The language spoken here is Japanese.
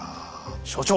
所長！